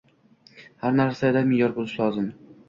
Har narsa me’yorida bo‘lsin.